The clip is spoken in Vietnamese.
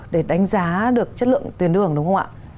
để đánh giá được chất lượng tuyến đường đúng không ạ